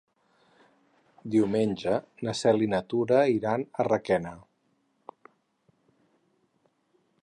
Diumenge na Cel i na Tura iran a Requena.